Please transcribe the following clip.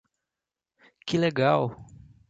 Que legal!